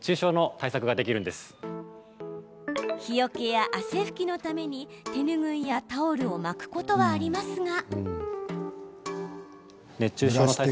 日よけや汗拭きのために手ぬぐいやタオルを巻くことはありますが。